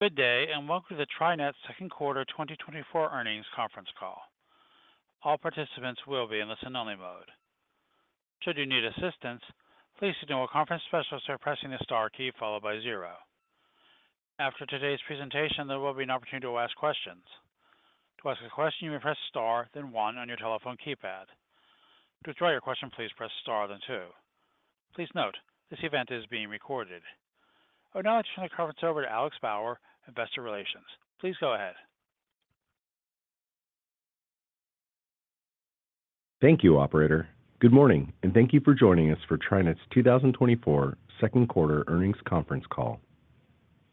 Good day, and welcome to the TriNet Second Quarter 2024 earnings conference call. All participants will be in listen-only mode. Should you need assistance, please signal with conference specialist by pressing the star key followed by zero. After today's presentation, there will be an opportunity to ask questions. To ask a question, you may press star then one on your telephone keypad. To withdraw your question, please press star then two. Please note, this event is being recorded. I would now like to turn the conference over to Alex Bauer, Investor Relations. Please go ahead. Thank you, Operator. Good morning, and thank you for joining us for TriNet's 2024 Second Quarter earnings conference call.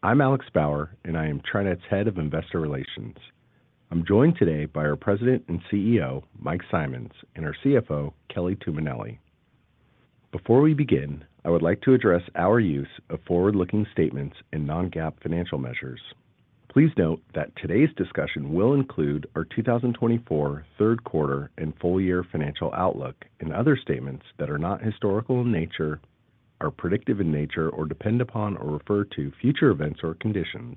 I'm Alex Bauer, and I am TriNet's Head of Investor Relations. I'm joined today by our President and CEO, Mike Simonds, and our CFO, Kelly Tuminelli. Before we begin, I would like to address our use of forward-looking statements and non-GAAP financial measures. Please note that today's discussion will include our 2024 third quarter and full-year financial outlook and other statements that are not historical in nature, are predictive in nature, or depend upon or refer to future events or conditions,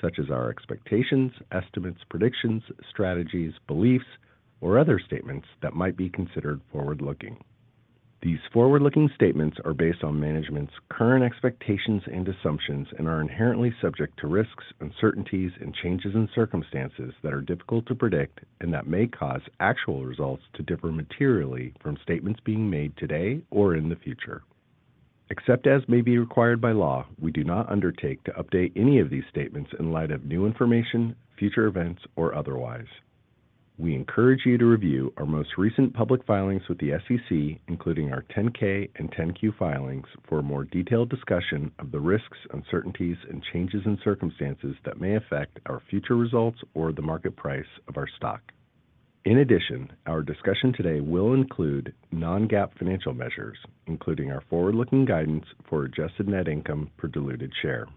such as our expectations, estimates, predictions, strategies, beliefs, or other statements that might be considered forward-looking. These forward-looking statements are based on management's current expectations and assumptions and are inherently subject to risks, uncertainties, and changes in circumstances that are difficult to predict and that may cause actual results to differ materially from statements being made today or in the future. Except as may be required by law, we do not undertake to update any of these statements in light of new information, future events, or otherwise. We encourage you to review our most recent public filings with the SEC, including our 10-K and 10-Q filings, for a more detailed discussion of the risks, uncertainties, and changes in circumstances that may affect our future results or the market price of our stock. In addition, our discussion today will include non-GAAP financial measures, including our forward-looking guidance for adjusted net income per diluted share.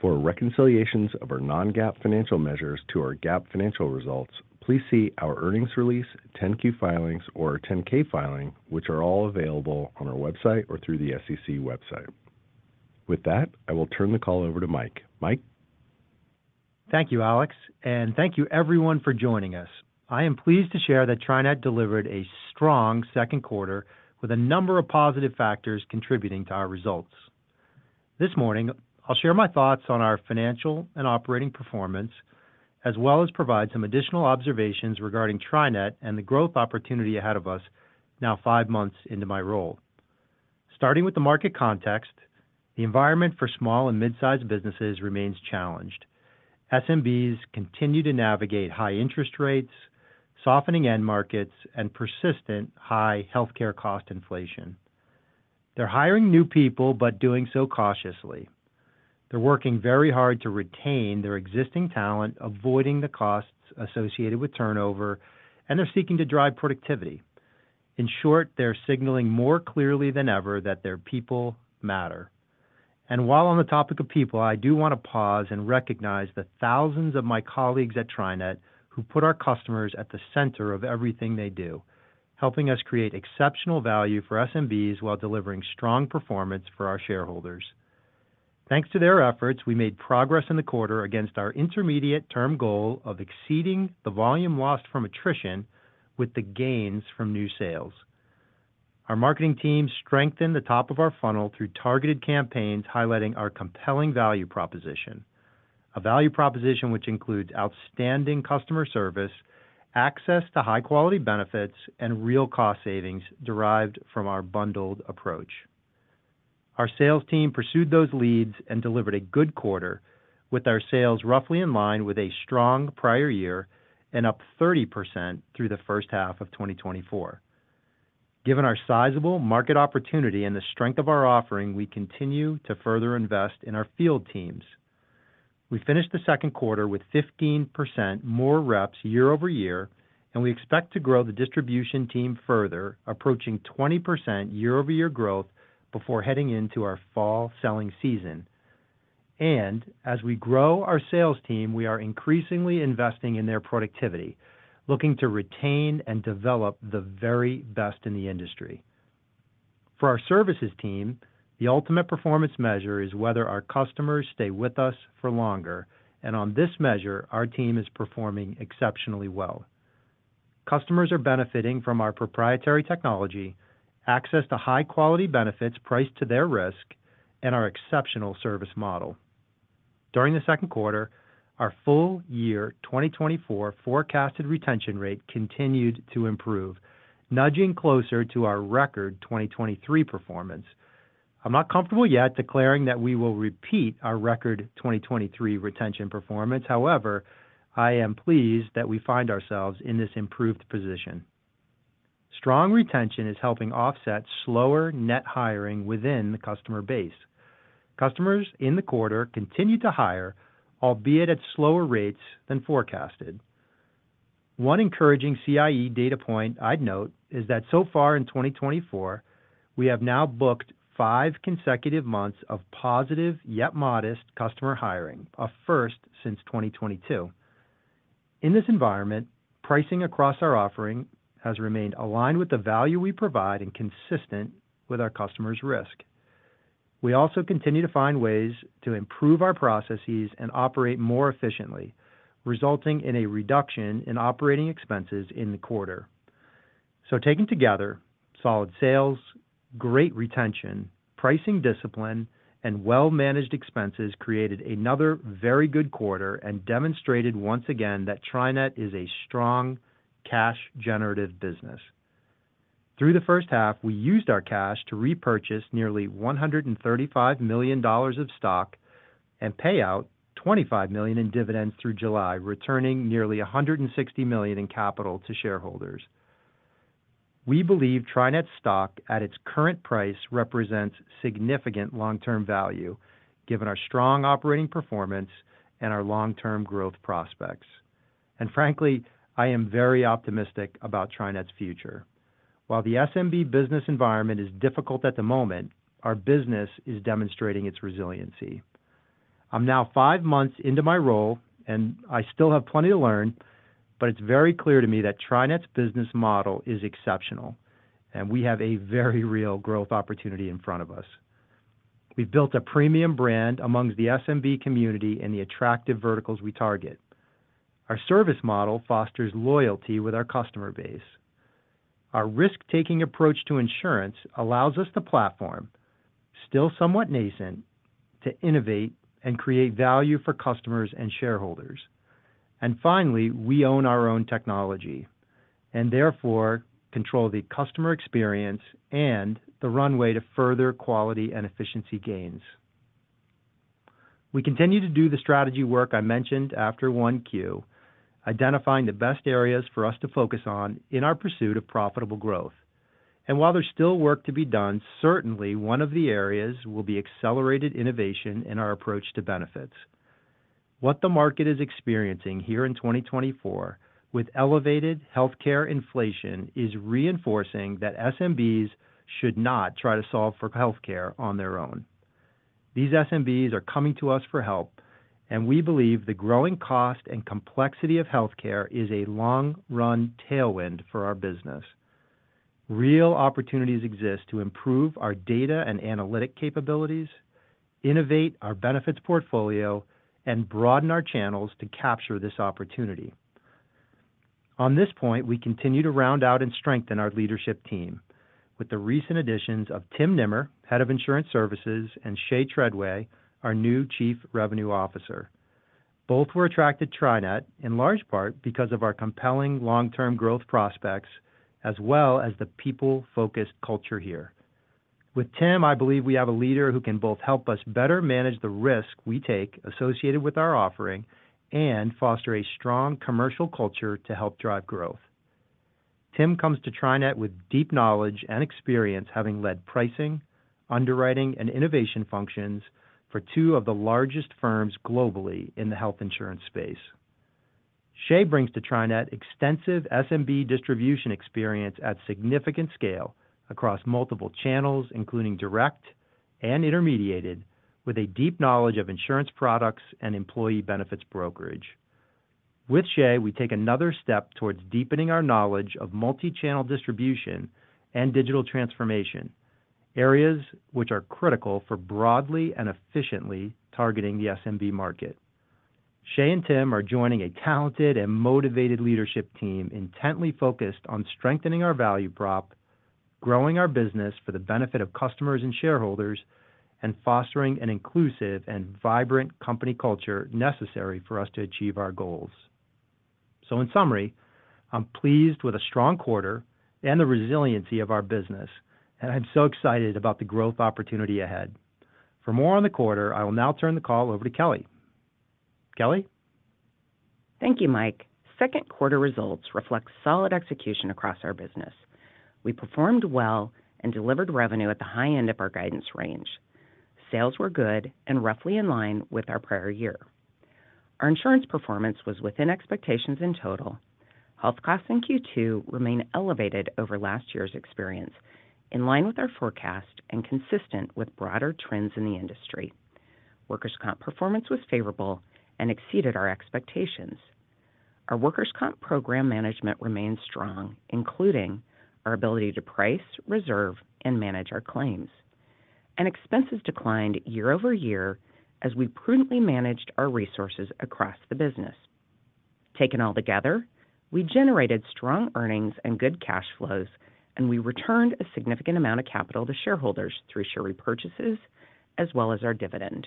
For reconciliations of our non-GAAP financial measures to our GAAP financial results, please see our earnings release, 10-Q filings, or 10-K filing, which are all available on our website or through the SEC website. With that, I will turn the call over to Mike. Mike. Thank you, Alex, and thank you, everyone, for joining us. I am pleased to share that TriNet delivered a strong second quarter with a number of positive factors contributing to our results. This morning, I'll share my thoughts on our financial and operating performance, as well as provide some additional observations regarding TriNet and the growth opportunity ahead of us now five months into my role. Starting with the market context, the environment for small and mid-sized businesses remains challenged. SMBs continue to navigate high interest rates, softening end markets, and persistent high healthcare cost inflation. They're hiring new people, but doing so cautiously. They're working very hard to retain their existing talent, avoiding the costs associated with turnover, and they're seeking to drive productivity. In short, they're signaling more clearly than ever that their people matter. While on the topic of people, I do want to pause and recognize the thousands of my colleagues at TriNet who put our customers at the center of everything they do, helping us create exceptional value for SMBs while delivering strong performance for our shareholders. Thanks to their efforts, we made progress in the quarter against our intermediate term goal of exceeding the volume lost from attrition with the gains from new sales. Our marketing team strengthened the top of our funnel through targeted campaigns highlighting our compelling value proposition, a value proposition which includes outstanding customer service, access to high-quality benefits, and real cost savings derived from our bundled approach. Our sales team pursued those leads and delivered a good quarter, with our sales roughly in line with a strong prior year and up 30% through the first half of 2024. Given our sizable market opportunity and the strength of our offering, we continue to further invest in our field teams. We finished the second quarter with 15% more reps year-over-year, and we expect to grow the distribution team further, approaching 20% year-over-year growth before heading into our fall selling season. As we grow our sales team, we are increasingly investing in their productivity, looking to retain and develop the very best in the industry. For our services team, the ultimate performance measure is whether our customers stay with us for longer, and on this measure, our team is performing exceptionally well. Customers are benefiting from our proprietary technology, access to high-quality benefits priced to their risk, and our exceptional service model. During the second quarter, our full-year 2024 forecasted retention rate continued to improve, nudging closer to our record 2023 performance. I'm not comfortable yet declaring that we will repeat our record 2023 retention performance. However, I am pleased that we find ourselves in this improved position. Strong retention is helping offset slower net hiring within the customer base. Customers in the quarter continue to hire, albeit at slower rates than forecasted. One encouraging CIE data point I'd note is that so far in 2024, we have now booked 5 consecutive months of positive yet modest customer hiring, a first since 2022. In this environment, pricing across our offering has remained aligned with the value we provide and consistent with our customers' risk. We also continue to find ways to improve our processes and operate more efficiently, resulting in a reduction in operating expenses in the quarter. So taken together, solid sales, great retention, pricing discipline, and well-managed expenses created another very good quarter and demonstrated once again that TriNet is a strong cash-generative business. Through the first half, we used our cash to repurchase nearly $135 million of stock and pay out $25 million in dividends through July, returning nearly $160 million in capital to shareholders. We believe TriNet's stock at its current price represents significant long-term value, given our strong operating performance and our long-term growth prospects. And frankly, I am very optimistic about TriNet's future. While the SMB business environment is difficult at the moment, our business is demonstrating its resiliency. I'm now five months into my role, and I still have plenty to learn, but it's very clear to me that TriNet's business model is exceptional, and we have a very real growth opportunity in front of us. We've built a premium brand among the SMB community and the attractive verticals we target. Our service model fosters loyalty with our customer base. Our risk-taking approach to insurance allows us the platform, still somewhat nascent, to innovate and create value for customers and shareholders. And finally, we own our own technology and therefore control the customer experience and the runway to further quality and efficiency gains. We continue to do the strategy work I mentioned after Q1, identifying the best areas for us to focus on in our pursuit of profitable growth. And while there's still work to be done, certainly one of the areas will be accelerated innovation in our approach to benefits. What the market is experiencing here in 2024 with elevated healthcare inflation is reinforcing that SMBs should not try to solve for healthcare on their own. These SMBs are coming to us for help, and we believe the growing cost and complexity of healthcare is a long-run tailwind for our business. Real opportunities exist to improve our data and analytic capabilities, innovate our benefits portfolio, and broaden our channels to capture this opportunity. On this point, we continue to round out and strengthen our leadership team with the recent additions of Tim Nimmer, Head of Insurance Services, and Shea Treadway, our new Chief Revenue Officer. Both were attracted to TriNet in large part because of our compelling long-term growth prospects, as well as the people-focused culture here. With Tim, I believe we have a leader who can both help us better manage the risk we take associated with our offering and foster a strong commercial culture to help drive growth. Tim comes to TriNet with deep knowledge and experience, having led pricing, underwriting, and innovation functions for two of the largest firms globally in the health insurance space. Shea brings to TriNet extensive SMB distribution experience at significant scale across multiple channels, including direct and intermediated, with a deep knowledge of insurance products and employee benefits brokerage. With Shea, we take another step towards deepening our knowledge of multi-channel distribution and digital transformation, areas which are critical for broadly and efficiently targeting the SMB market. Shea and Tim are joining a talented and motivated leadership team intently focused on strengthening our value prop, growing our business for the benefit of customers and shareholders, and fostering an inclusive and vibrant company culture necessary for us to achieve our goals. In summary, I'm pleased with a strong quarter and the resiliency of our business, and I'm so excited about the growth opportunity ahead. For more on the quarter, I will now turn the call over to Kelly. Kelly? Thank you, Mike. Second quarter results reflect solid execution across our business. We performed well and delivered revenue at the high end of our guidance range. Sales were good and roughly in line with our prior year. Our insurance performance was within expectations in total. Health costs in Q2 remained elevated over last year's experience, in line with our forecast and consistent with broader trends in the industry. Workers' comp performance was favorable and exceeded our expectations. Our workers' comp program management remained strong, including our ability to price, reserve, and manage our claims. Expenses declined year-over-year as we prudently managed our resources across the business. Taken all together, we generated strong earnings and good cash flows, and we returned a significant amount of capital to shareholders through share repurchases, as well as our dividend.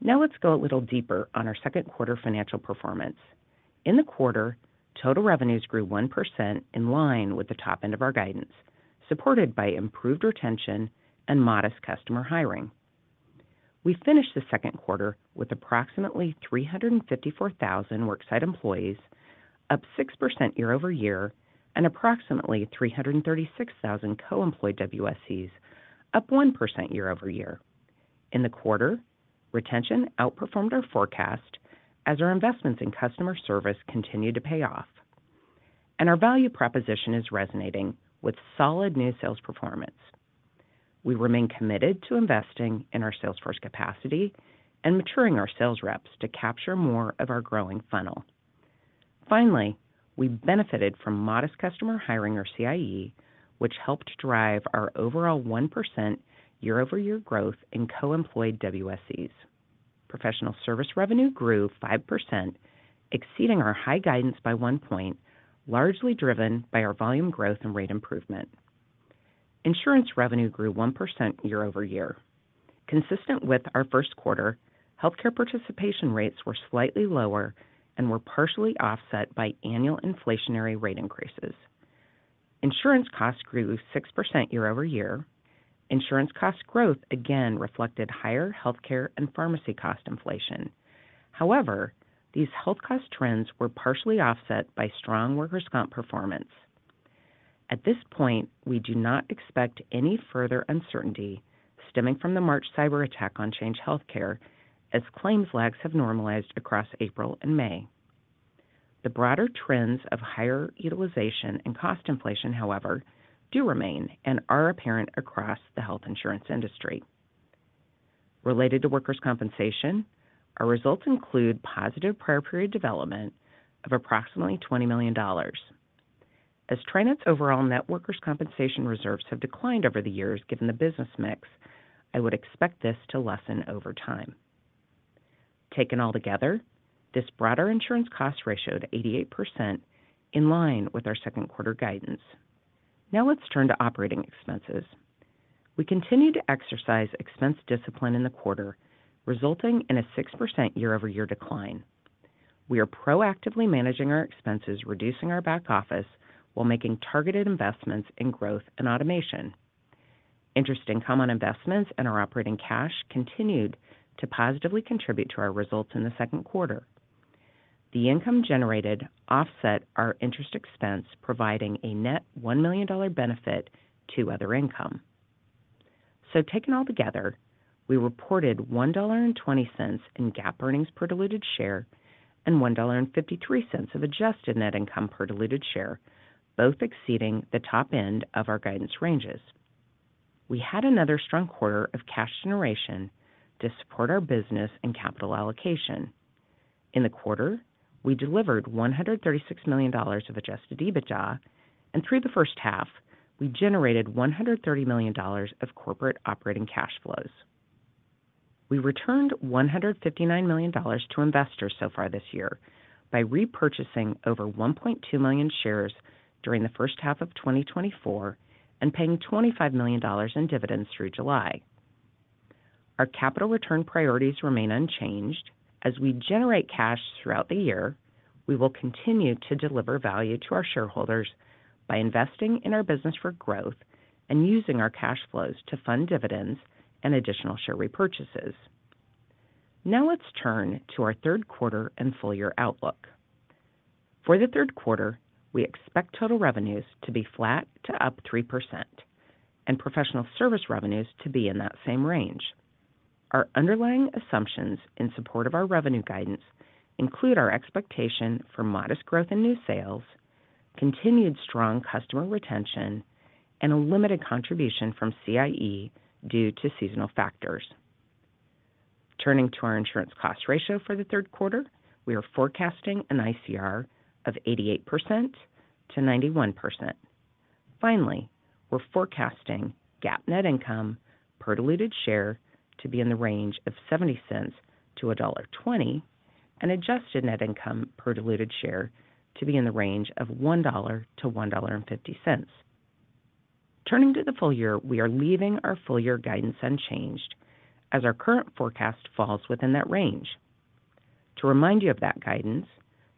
Now let's go a little deeper on our second quarter financial performance. In the quarter, total revenues grew 1% in line with the top end of our guidance, supported by improved retention and modest customer hiring. We finished the second quarter with approximately 354,000 worksite employees, up 6% year-over-year, and approximately 336,000 co-employed WSEs, up 1% year-over-year. In the quarter, retention outperformed our forecast as our investments in customer service continued to pay off, and our value proposition is resonating with solid new sales performance. We remain committed to investing in our sales force capacity and maturing our sales reps to capture more of our growing funnel. Finally, we benefited from modest customer hiring or CIE, which helped drive our overall 1% year-over-year growth in co-employed WSEs. Professional Services revenue grew 5%, exceeding our high guidance by one point, largely driven by our volume growth and rate improvement. Insurance revenue grew 1% year-over-year. Consistent with our first quarter, healthcare participation rates were slightly lower and were partially offset by annual inflationary rate increases. Insurance costs grew 6% year-over-year. Insurance cost growth again reflected higher healthcare and pharmacy cost inflation. However, these health cost trends were partially offset by strong workers' comp performance. At this point, we do not expect any further uncertainty stemming from the March cyber attack on Change Healthcare, as claims lags have normalized across April and May. The broader trends of higher utilization and cost inflation, however, do remain and are apparent across the health insurance industry. Related to workers' compensation, our results include positive prior period development of approximately $20 million. As TriNet's overall net workers' compensation reserves have declined over the years given the business mix, I would expect this to lessen over time. Taken all together, this brought our insurance cost ratio to 88%, in line with our second quarter guidance. Now let's turn to operating expenses. We continue to exercise expense discipline in the quarter, resulting in a 6% year-over-year decline. We are proactively managing our expenses, reducing our back office while making targeted investments in growth and automation. Interest income on investments and our operating cash continued to positively contribute to our results in the second quarter. The income generated offset our interest expense, providing a net $1 million benefit to other income. So taken all together, we reported $1.20 in GAAP earnings per diluted share and $1.53 of adjusted net income per diluted share, both exceeding the top end of our guidance ranges. We had another strong quarter of cash generation to support our business and capital allocation. In the quarter, we delivered $136 million of adjusted EBITDA, and through the first half, we generated $130 million of corporate operating cash flows. We returned $159 million to investors so far this year by repurchasing over 1.2 million shares during the first half of 2024 and paying $25 million in dividends through July. Our capital return priorities remain unchanged. As we generate cash throughout the year, we will continue to deliver value to our shareholders by investing in our business for growth and using our cash flows to fund dividends and additional share repurchases. Now let's turn to our third quarter and full-year outlook. For the third quarter, we expect total revenues to be flat to up 3%, and Professional Services revenues to be in that same range. Our underlying assumptions in support of our revenue guidance include our expectation for modest growth in new sales, continued strong customer retention, and a limited contribution from CIE due to seasonal factors. Turning to our insurance cost ratio for the third quarter, we are forecasting an ICR of 88%-91%. Finally, we're forecasting GAAP net income per diluted share to be in the range of $0.70-$1.20, and adjusted net income per diluted share to be in the range of $1.00-$1.50. Turning to the full year, we are leaving our full-year guidance unchanged as our current forecast falls within that range. To remind you of that guidance,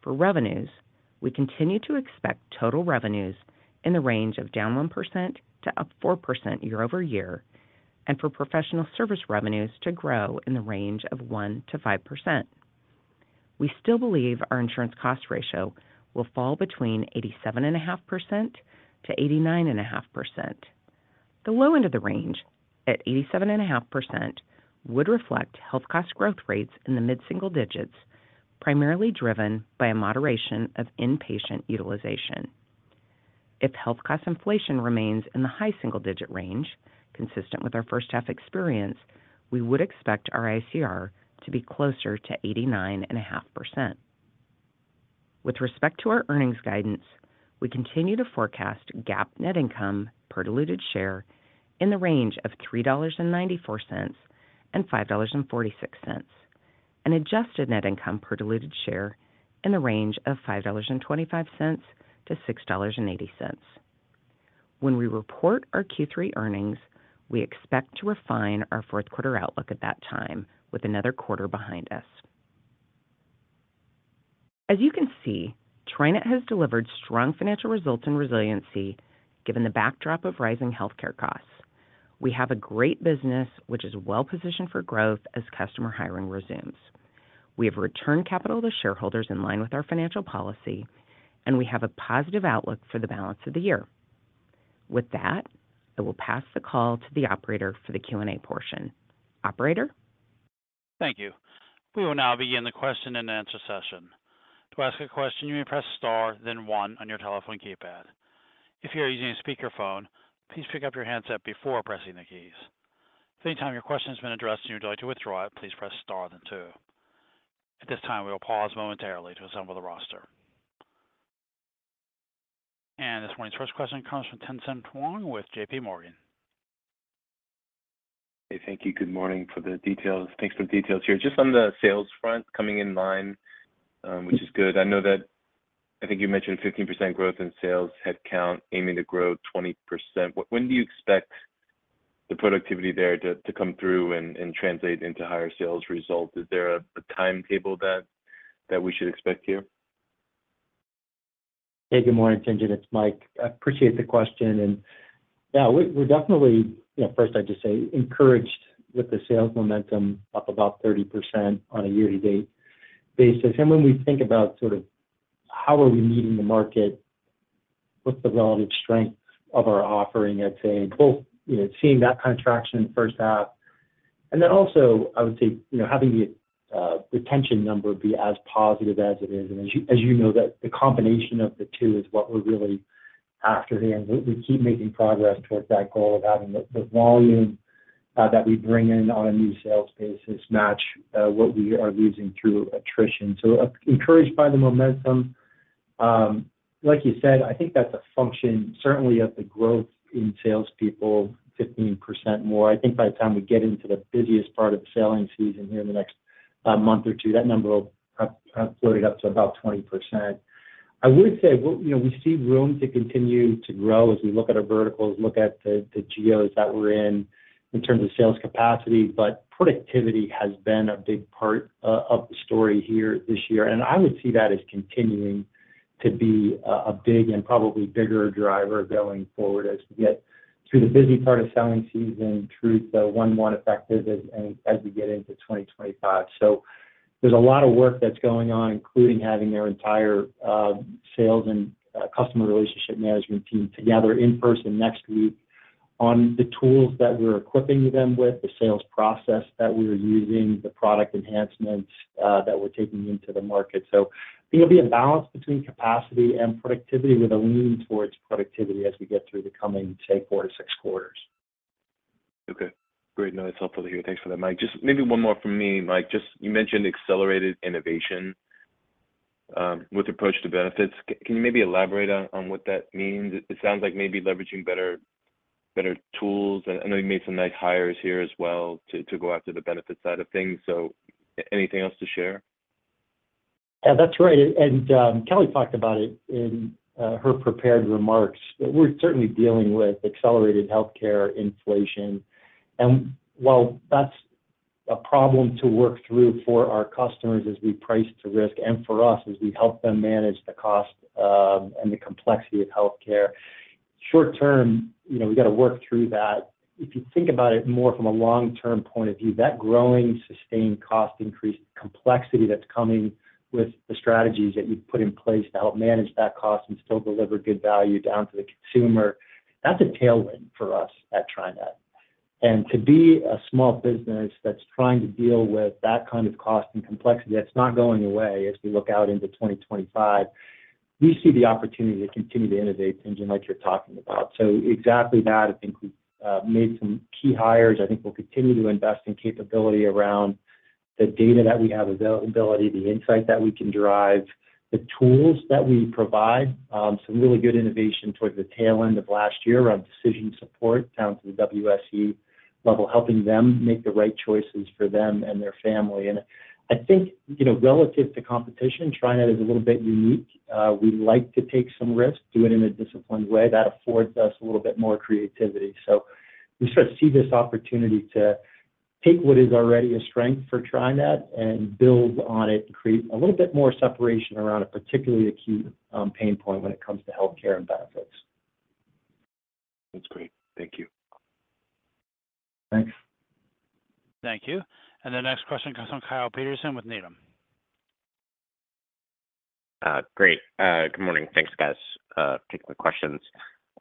for revenues, we continue to expect total revenues in the range of -1% to +4% year-over-year, and for Professional Services revenues to grow in the range of 1%-5%. We still believe our insurance cost ratio will fall between 87.5%-89.5%. The low end of the range at 87.5% would reflect health cost growth rates in the mid-single digits, primarily driven by a moderation of inpatient utilization. If health cost inflation remains in the high single-digit range, consistent with our first-half experience, we would expect our ICR to be closer to 89.5%. With respect to our earnings guidance, we continue to forecast GAAP net income per diluted share in the range of $3.94-$5.46, and adjusted net income per diluted share in the range of $5.25-$6.80. When we report our Q3 earnings, we expect to refine our fourth quarter outlook at that time, with another quarter behind us. As you can see, TriNet has delivered strong financial results and resiliency given the backdrop of rising healthcare costs. We have a great business, which is well-positioned for growth as customer hiring resumes. We have returned capital to shareholders in line with our financial policy, and we have a positive outlook for the balance of the year. With that, I will pass the call to the operator for the Q&A portion. Operator? Thank you. We will now begin the question and answer session. To ask a question, you may press star, then one on your telephone keypad. If you are using a speakerphone, please pick up your handset before pressing the keys. If at any time your question has been addressed and you would like to withdraw it, please press star then two. At this time, we will pause momentarily to assemble the roster. This morning's first question comes from Tien-Tsin Huang with J.P. Morgan. Hey, thank you. Good morning for the details. Thanks for the details here. Just on the sales front, coming in line, which is good. I know that I think you mentioned 15% growth in sales headcount, aiming to grow 20%. When do you expect the productivity there to come through and translate into higher sales results? Is there a timetable that we should expect here? Hey, good morning, Tien-Tsin. It's Mike. I appreciate the question. And yeah, we're definitely, first I'd just say, encouraged with the sales momentum up about 30% on a year-to-date basis. And when we think about sort of how are we meeting the market, what's the relative strength of our offering, I'd say, both seeing that kind of traction in the first half. And then also, I would say having the retention number be as positive as it is. And as you know, the combination of the two is what we're really after here. We keep making progress towards that goal of having the volume that we bring in on a new sales basis match what we are losing through attrition. So encouraged by the momentum. Like you said, I think that's a function certainly of the growth in salespeople, 15% more. I think by the time we get into the busiest part of the selling season here in the next month or two, that number will have floated up to about 20%. I would say we see room to continue to grow as we look at our verticals, look at the geos that we're in in terms of sales capacity, but productivity has been a big part of the story here this year. I would see that as continuing to be a big and probably bigger driver going forward as we get through the busy part of selling season, through the one-to-one effectiveness as we get into 2025. So there's a lot of work that's going on, including having their entire sales and customer relationship management team together in person next week on the tools that we're equipping them with, the sales process that we're using, the product enhancements that we're taking into the market. So there'll be a balance between capacity and productivity with a lean towards productivity as we get through the coming, say, 4-6 quarters. Okay. Great. No, that's helpful to hear. Thanks for that, Mike. Just maybe one more from me, Mike. Just you mentioned accelerated innovation with approach to benefits. Can you maybe elaborate on what that means? It sounds like maybe leveraging better tools. And I know you made some nice hires here as well to go after the benefit side of things. So anything else to share? Yeah, that's right. And Kelly talked about it in her prepared remarks. We're certainly dealing with accelerated healthcare inflation. And while that's a problem to work through for our customers as we price to risk and for us as we help them manage the cost and the complexity of healthcare, short-term, we got to work through that. If you think about it more from a long-term point of view, that growing, sustained cost increase, the complexity that's coming with the strategies that you've put in place to help manage that cost and still deliver good value down to the consumer, that's a tailwind for us at TriNet. And to be a small business that's trying to deal with that kind of cost and complexity that's not going away as we look out into 2025, we see the opportunity to continue to innovate, Tien-Tsin, like you're talking about. So exactly that, I think we've made some key hires. I think we'll continue to invest in capability around the data that we have availability, the insight that we can derive, the tools that we provide, some really good innovation towards the tail end of last year around decision support down to the WSE level, helping them make the right choices for them and their family. And I think relative to competition, TriNet is a little bit unique. We like to take some risk, do it in a disciplined way. That affords us a little bit more creativity. So we sort of see this opportunity to take what is already a strength for TriNet and build on it and create a little bit more separation around a particularly acute pain point when it comes to healthcare and benefits. That's great. Thank you. Thanks. Thank you. The next question comes from Kyle Peterson with Needham. Great. Good morning. Thanks, guys, for taking the questions.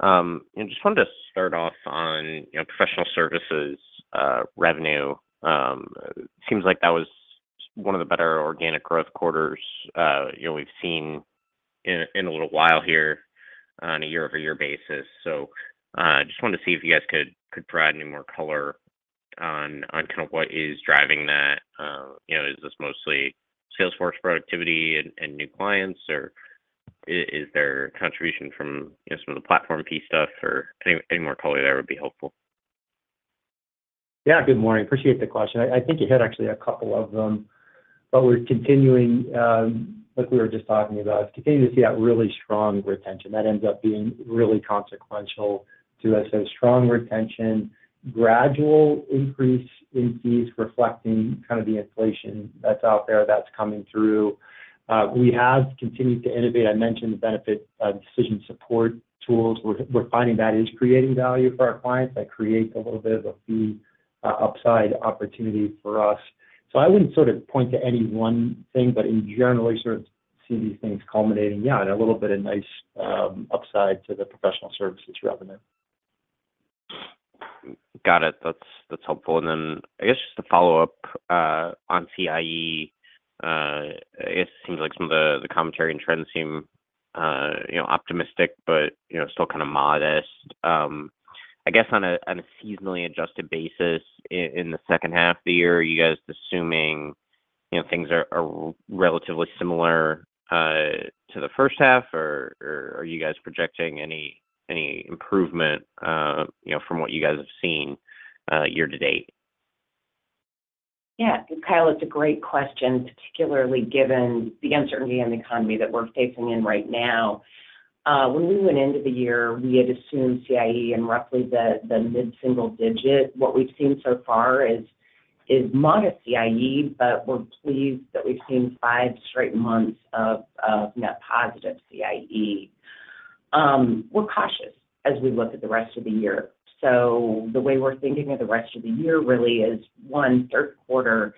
Just wanted to start off on Professional Services revenue. Seems like that was one of the better organic growth quarters we've seen in a little while here on a year-over-year basis. So just wanted to see if you guys could provide any more color on kind of what is driving that. Is this mostly sales force productivity and new clients, or is there contribution from some of the platform piece stuff, or any more color there would be helpful? Yeah, good morning. Appreciate the question. I think you hit actually a couple of them, but we're continuing, like we were just talking about, continuing to see that really strong retention. That ends up being really consequential to us. So strong retention, gradual increase in fees reflecting kind of the inflation that's out there that's coming through. We have continued to innovate. I mentioned the benefit decision support tools. We're finding that is creating value for our clients. That creates a little bit of a fee upside opportunity for us. So I wouldn't sort of point to any one thing, but in general, we sort of see these things culminating, yeah, in a little bit of nice upside to the Professional Services revenue. Got it. That's helpful. Then I guess just to follow up on CIE, it seems like some of the commentary and trends seem optimistic, but still kind of modest. I guess on a seasonally adjusted basis in the second half of the year, are you guys assuming things are relatively similar to the first half, or are you guys projecting any improvement from what you guys have seen year-to-date? Yeah. Kyle, it's a great question, particularly given the uncertainty in the economy that we're facing right now. When we went into the year, we had assumed CIE in roughly the mid-single digit. What we've seen so far is modest CIE, but we're pleased that we've seen 5 straight months of net positive CIE. We're cautious as we look at the rest of the year. So the way we're thinking of the rest of the year really is the third quarter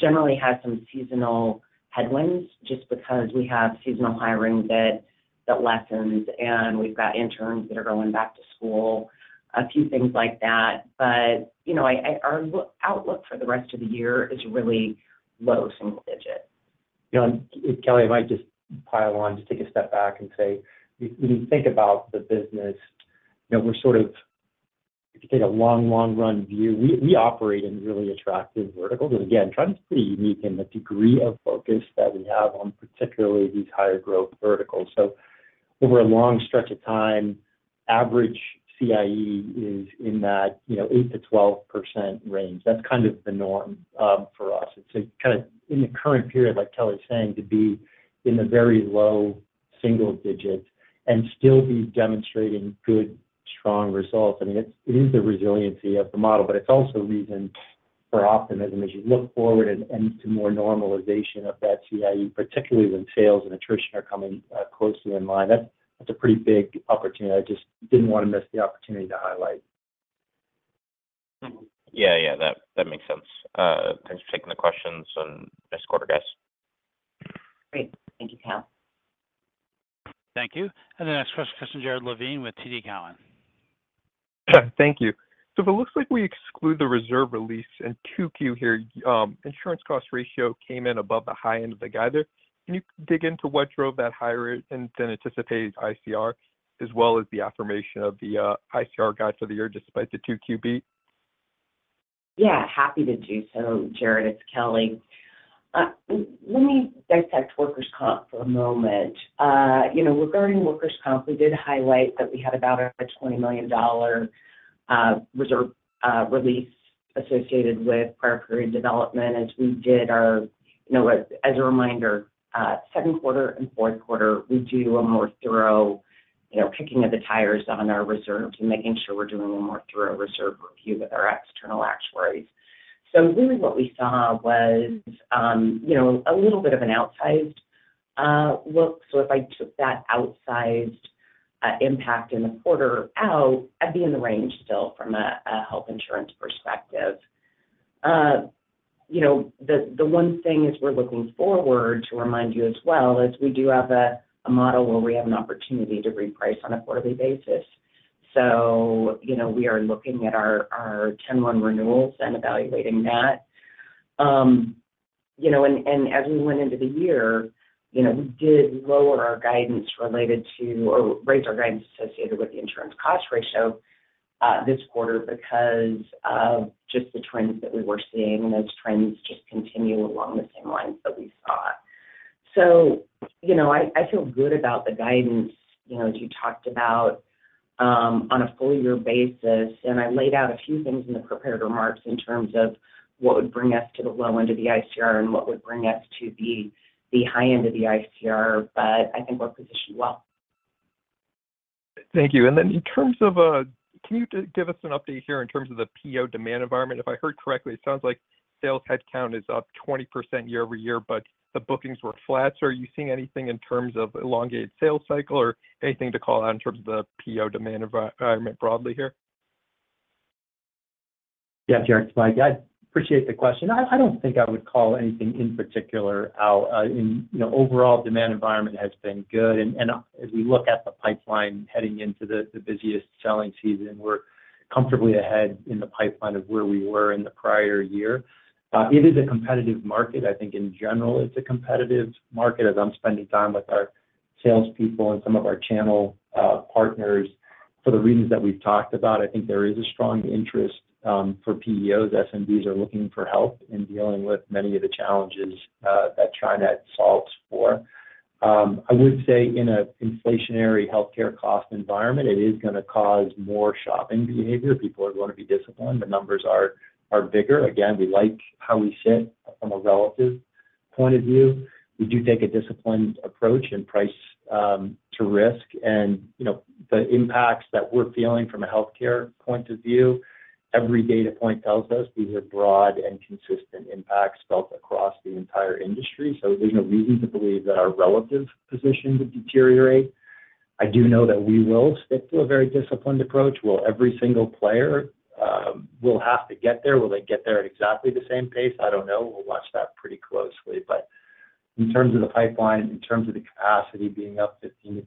generally has some seasonal headwinds just because we have seasonal hiring that lessens, and we've got interns that are going back to school, a few things like that. But our outlook for the rest of the year is really low single digit. Kelly, if I just pile on, just take a step back and say, when you think about the business, we're sort of, if you take a long, long run view, we operate in really attractive verticals. And again, TriNet's pretty unique in the degree of focus that we have on particularly these higher growth verticals. So over a long stretch of time, average CIE is in that 8%-12% range. That's kind of the norm for us. It's kind of in the current period, like Kelly's saying, to be in the very low single digit and still be demonstrating good, strong results. I mean, it is the resiliency of the model, but it's also reason for optimism as you look forward and to more normalization of that CIE, particularly when sales and attrition are coming closely in line. That's a pretty big opportunity. I just didn't want to miss the opportunity to highlight. Yeah, yeah. That makes sense. Thanks for taking the questions on this quarter, guys. Great. Thank you, Kyle. Thank you. The next question is from Jared Levine with TD Cowen. Thank you. So if it looks like we exclude the reserve release and 2Q here, insurance cost ratio came in above the high end of the guide. Can you dig into what drove that higher and then anticipated ICR, as well as the affirmation of the ICR guide for the year despite the 2Q beat? Yeah. Happy to do so, Jared. It's Kelly. Let me dissect workers' comp for a moment. Regarding workers' comp, we did highlight that we had about a $20 million reserve release associated with prior period development as we did our—as a reminder, second quarter and fourth quarter, we do a more thorough kicking of the tires on our reserves and making sure we're doing a more thorough reserve review with our external actuaries. So really what we saw was a little bit of an outsized look. So if I took that outsized impact in the quarter out, I'd be in the range still from a health insurance perspective. The one thing as we're looking forward, to remind you as well, is we do have a model where we have an opportunity to reprice on a quarterly basis. So we are looking at our 10-month renewals and evaluating that. As we went into the year, we did lower our guidance related to or raise our guidance associated with the insurance cost ratio this quarter because of just the trends that we were seeing, and those trends just continue along the same lines that we saw. I feel good about the guidance as you talked about on a full-year basis. I laid out a few things in the prepared remarks in terms of what would bring us to the low end of the ICR and what would bring us to the high end of the ICR, but I think we're positioned well. Thank you. And then, in terms of, can you give us an update here in terms of the PEO demand environment? If I heard correctly, it sounds like sales headcount is up 20% year-over-year, but the bookings were flat. So are you seeing anything in terms of elongated sales cycle or anything to call out in terms of the PEO demand environment broadly here? Yeah, Jared. So I appreciate the question. I don't think I would call anything in particular out. Overall, demand environment has been good. And as we look at the pipeline heading into the busiest selling season, we're comfortably ahead in the pipeline of where we were in the prior year. It is a competitive market. I think in general, it's a competitive market as I'm spending time with our salespeople and some of our channel partners. For the reasons that we've talked about, I think there is a strong interest for PEOs. SMBs are looking for help in dealing with many of the challenges that TriNet solves for. I would say in an inflationary healthcare cost environment, it is going to cause more shopping behavior. People are going to be disciplined. The numbers are bigger. Again, we like how we sit from a relative point of view. We do take a disciplined approach and price to risk. And the impacts that we're feeling from a healthcare point of view, every data point tells us these are broad and consistent impacts felt across the entire industry. So there's no reason to believe that our relative position would deteriorate. I do know that we will stick to a very disciplined approach. Will every single player have to get there? Will they get there at exactly the same pace? I don't know. We'll watch that pretty closely. But in terms of the pipeline, in terms of the capacity being up 15%-20%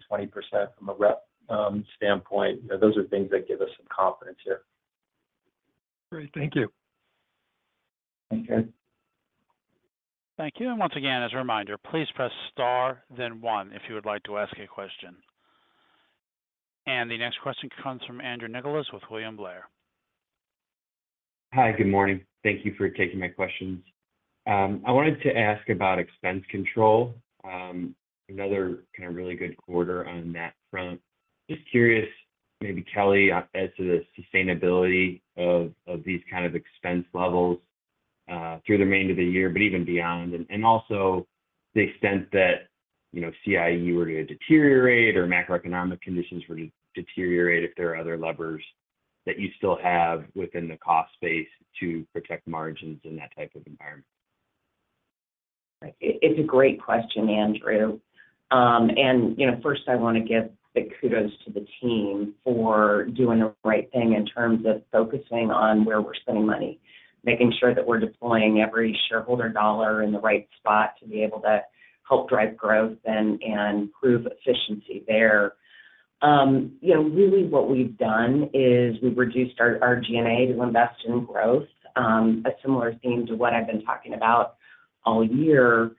from a rep standpoint, those are things that give us some confidence here. Great. Thank you. Thank you. Thank you. Once again, as a reminder, please press star, then one if you would like to ask a question. The next question comes from Andrew Nicholas with William Blair. Hi, good morning. Thank you for taking my questions. I wanted to ask about expense control, another kind of really good quarter on that front. Just curious, maybe Kelly adds to the sustainability of these kind of expense levels through the remainder of the year, but even beyond, and also the extent that CIE were to deteriorate or macroeconomic conditions were to deteriorate if there are other levers that you still have within the cost space to protect margins in that type of environment. It's a great question, Andrew. And first, I want to give the kudos to the team for doing the right thing in terms of focusing on where we're spending money, making sure that we're deploying every shareholder dollar in the right spot to be able to help drive growth and improve efficiency there. Really, what we've done is we've reduced our G&A to invest in growth, a similar theme to what I've been talking about all year.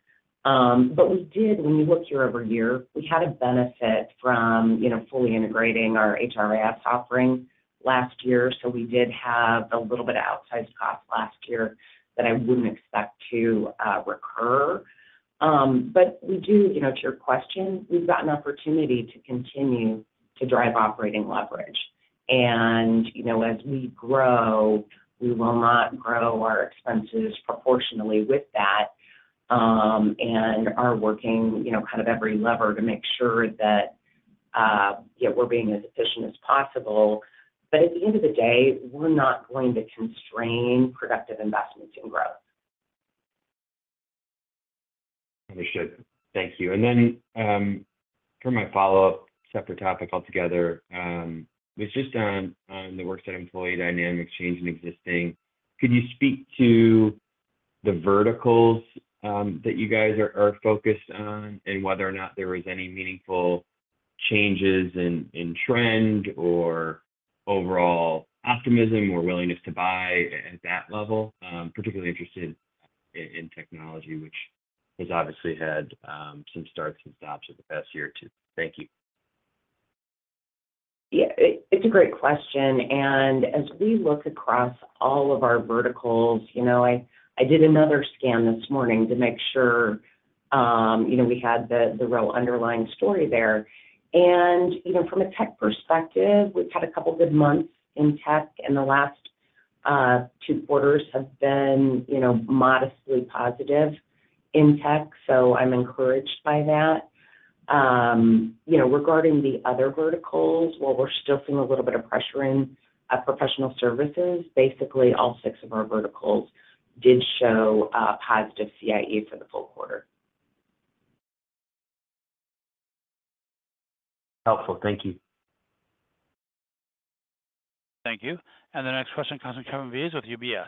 But we did, when you look year-over-year, we had a benefit from fully integrating our HRIS offering last year. So we did have a little bit of outsized cost last year that I wouldn't expect to recur. But we do, to your question, we've got an opportunity to continue to drive operating leverage. As we grow, we will not grow our expenses proportionally with that and are working kind of every lever to make sure that we're being as efficient as possible. At the end of the day, we're not going to constrain productive investments in growth. Understood. Thank you. And then for my follow-up, separate topic altogether, it's just on the worksite employee dynamic, change in existing. Could you speak to the verticals that you guys are focused on and whether or not there were any meaningful changes in trend or overall optimism or willingness to buy at that level? Particularly interested in technology, which has obviously had some starts and stops over the past year or two. Thank you. Yeah. It's a great question. And as we look across all of our verticals, I did another scan this morning to make sure we had the real underlying story there. And from a tech perspective, we've had a couple of good months in tech, and the last two quarters have been modestly positive in tech. So I'm encouraged by that. Regarding the other verticals, while we're still seeing a little bit of pressure in Professional Services, basically all six of our verticals did show positive CIE for the full quarter. Helpful. Thank you. Thank you. The next question comes from Kevin McVeigh with UBS.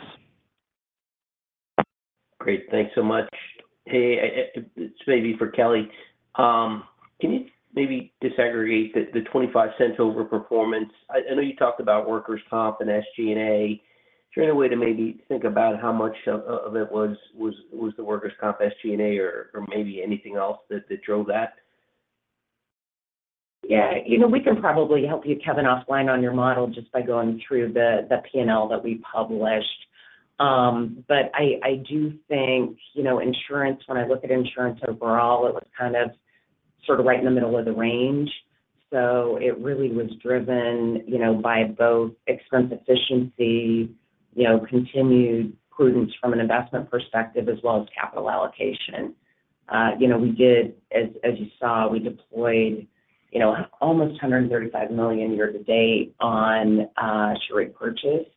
Great. Thanks so much. Hey, it's maybe for Kelly. Can you maybe disaggregate the $0.25 over performance? I know you talked about workers' comp and SG&A. Is there any way to maybe think about how much of it was the workers' comp, SG&A, or maybe anything else that drove that? Yeah. We can probably help you, Kevin, offline on your model just by going through the P&L that we published. But I do think insurance, when I look at insurance overall, it was kind of sort of right in the middle of the range. So it really was driven by both expense efficiency, continued prudence from an investment perspective, as well as capital allocation. We did, as you saw, we deployed almost $135 million year-to-date on share repurchase.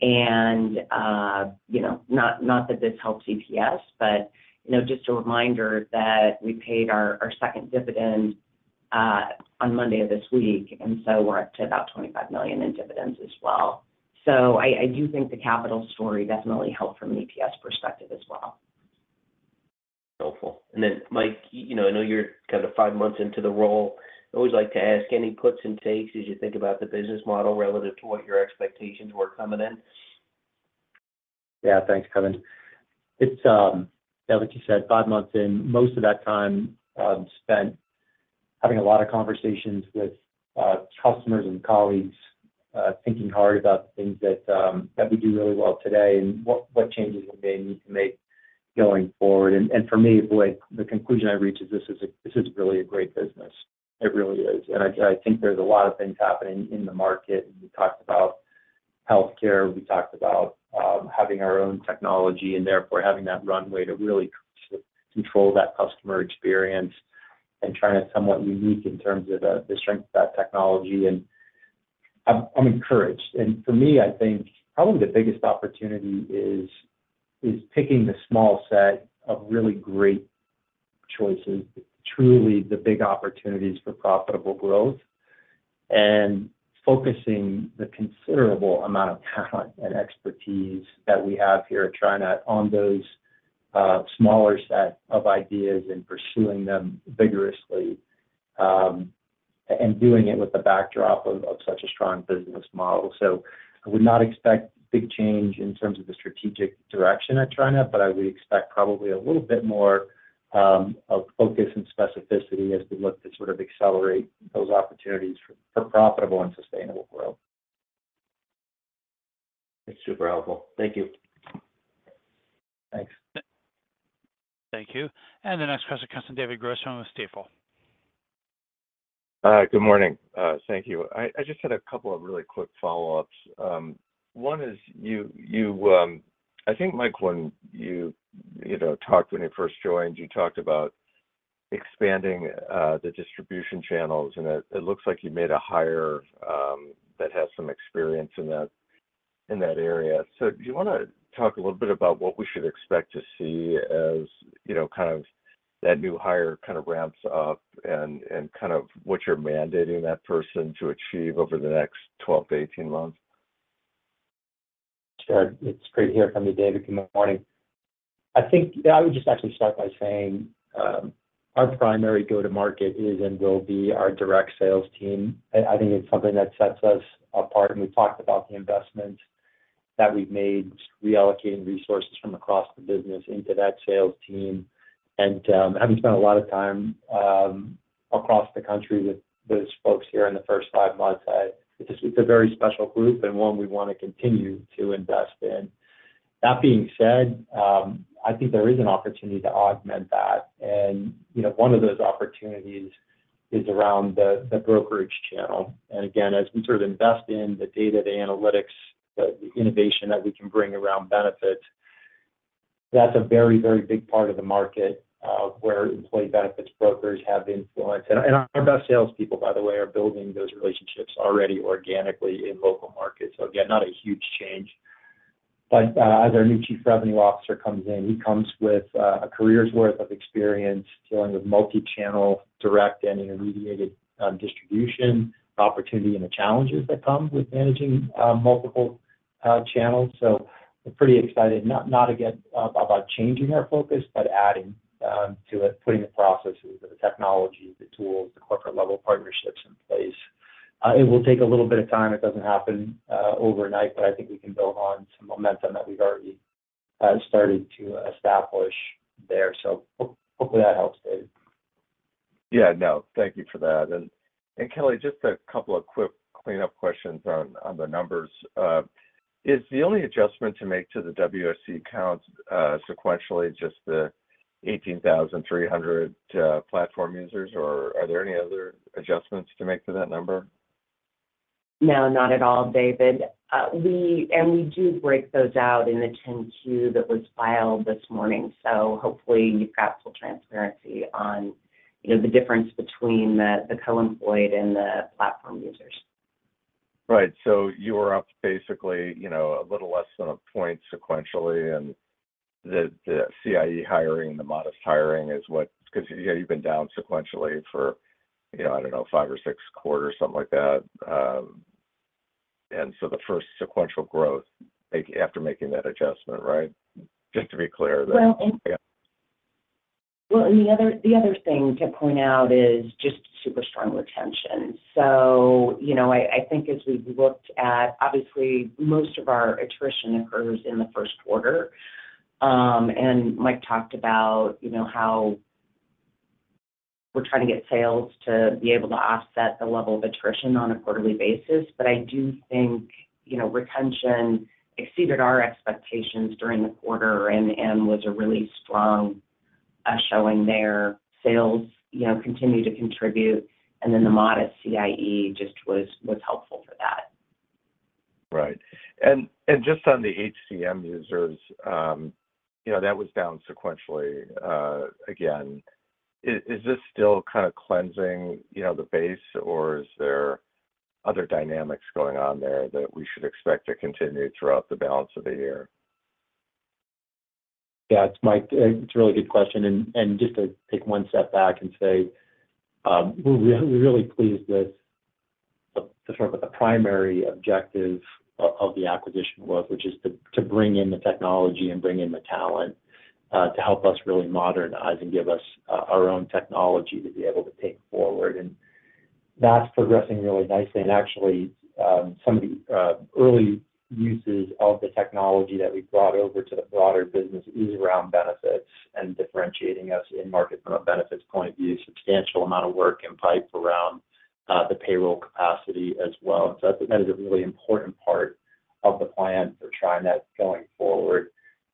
And not that this helped EPS, but just a reminder that we paid our second dividend on Monday of this week, and so we're up to about $25 million in dividends as well. So I do think the capital story definitely helped from an EPS perspective as well. Helpful. And then, Mike, I know you're kind of five months into the role. I always like to ask, any puts and takes as you think about the business model relative to what your expectations were coming in? Yeah. Thanks, Kevin. Yeah, like you said, five months in, most of that time spent having a lot of conversations with customers and colleagues, thinking hard about the things that we do really well today and what changes we may need to make going forward. And for me, boy, the conclusion I reach is this is really a great business. It really is. And I think there's a lot of things happening in the market. We talked about healthcare. We talked about having our own technology and therefore having that runway to really control that customer experience and trying to somewhat unique in terms of the strength of that technology. And I'm encouraged. For me, I think probably the biggest opportunity is picking the small set of really great choices, truly the big opportunities for profitable growth, and focusing the considerable amount of talent and expertise that we have here at TriNet on those smaller set of ideas and pursuing them vigorously and doing it with the backdrop of such a strong business model. I would not expect big change in terms of the strategic direction at TriNet, but I would expect probably a little bit more of focus and specificity as we look to sort of accelerate those opportunities for profitable and sustainable growth. That's super helpful. Thank you. Thanks. Thank you. The next question comes from David Grossman with Stifel. Good morning. Thank you. I just had a couple of really quick follow-ups. One is, I think, Mike, when you talked when you first joined, you talked about expanding the distribution channels, and it looks like you made a hire that has some experience in that area. So do you want to talk a little bit about what we should expect to see as kind of that new hire kind of ramps up and kind of what you're mandating that person to achieve over the next 12-18 months? Jared, it's great to hear it from you, David. Good morning. I think I would just actually start by saying our primary go-to-market is and will be our direct sales team. I think it's something that sets us apart. And we've talked about the investments that we've made, reallocating resources from across the business into that sales team. And having spent a lot of time across the country with those folks here in the first five months, it's a very special group and one we want to continue to invest in. That being said, I think there is an opportunity to augment that. And one of those opportunities is around the brokerage channel. And again, as we sort of invest in the data, the analytics, the innovation that we can bring around benefits, that's a very, very big part of the market where employee benefits brokers have influence. Our best salespeople, by the way, are building those relationships already organically in local markets. So again, not a huge change. But as our new Chief Revenue Officer comes in, he comes with a career's worth of experience dealing with multi-channel direct and intermediated distribution opportunity and the challenges that come with managing multiple channels. So we're pretty excited not about changing our focus, but adding to it, putting the processes, the technology, the tools, the corporate-level partnerships in place. It will take a little bit of time. It doesn't happen overnight, but I think we can build on some momentum that we've already started to establish there. So hopefully that helps, David. Yeah. No. Thank you for that. And Kelly, just a couple of quick cleanup questions on the numbers. Is the only adjustment to make to the WSE accounts sequentially just the 18,300 platform users, or are there any other adjustments to make to that number? No, not at all, David. And we do break those out in the 10-Q that was filed this morning. So hopefully you've got full transparency on the difference between the co-employed and the platform users. Right. So you were up basically a little less than a point sequentially, and the CIE hiring and the modest hiring is what because you've been down sequentially for, I don't know, five or six quarters, something like that. And so the first sequential growth after making that adjustment, right? Just to be clear that. Well, and the other thing to point out is just super strong retention. So I think as we've looked at, obviously, most of our attrition occurs in the first quarter. And Mike talked about how we're trying to get sales to be able to offset the level of attrition on a quarterly basis. But I do think retention exceeded our expectations during the quarter and was a really strong showing there. Sales continue to contribute. And then the modest CIE just was helpful for that. Right. And just on the HCM users, that was down sequentially again. Is this still kind of cleansing the base, or is there other dynamics going on there that we should expect to continue throughout the balance of the year? Yeah. It's a really good question. And just to take one step back and say we're really pleased with sort of what the primary objective of the acquisition was, which is to bring in the technology and bring in the talent to help us really modernize and give us our own technology to be able to take forward. And that's progressing really nicely. And actually, some of the early uses of the technology that we brought over to the broader business is around benefits and differentiating us in market from a benefits point of view, substantial amount of work in pipeline around the payroll capacity as well. So that is a really important part of the plan for TriNet going forward.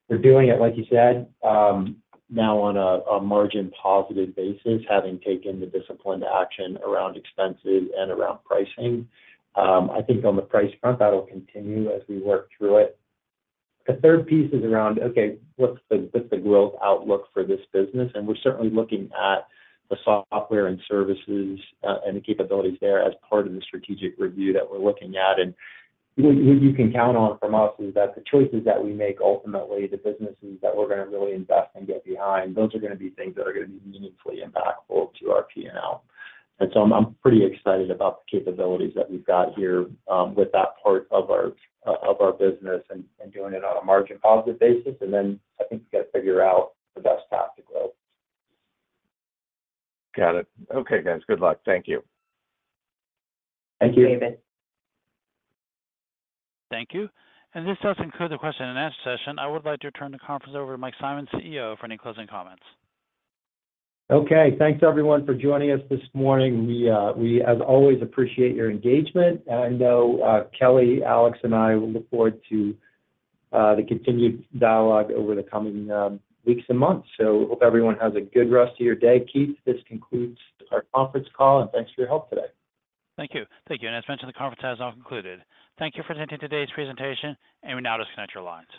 We're doing it, like you said, now on a margin-positive basis, having taken the disciplined action around expenses and around pricing. I think on the price front, that'll continue as we work through it. The third piece is around, okay, what's the growth outlook for this business? And we're certainly looking at the software and services and the capabilities there as part of the strategic review that we're looking at. And what you can count on from us is that the choices that we make, ultimately, the businesses that we're going to really invest and get behind, those are going to be things that are going to be meaningfully impactful to our P&L. And so I'm pretty excited about the capabilities that we've got here with that part of our business and doing it on a margin-positive basis. And then I think we've got to figure out the best path to grow. Got it. Okay, guys. Good luck. Thank you. Thank you. Thanks, David. Thank you. This does conclude the question-and-answer session. I would like to turn the conference over to Mike Simonds, CEO, for any closing comments. Okay. Thanks, everyone, for joining us this morning. We, as always, appreciate your engagement. I know Kelly, Alex, and I will look forward to the continued dialogue over the coming weeks and months. Hope everyone has a good rest of your day. Keith, this concludes our conference call, and thanks for your help today. Thank you. Thank you. As mentioned, the conference has now concluded. Thank you for attending today's presentation, and we now disconnect your lines.